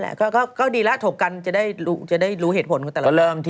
อ้อแอตกตกอเจมส์เช่น๔ด้วย๓